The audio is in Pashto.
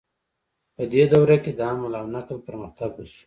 په دې دوره کې د حمل او نقل پرمختګ وشو.